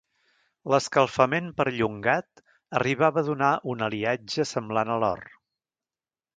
L'escalfament perllongat arribava a donar un aliatge semblant a l'or.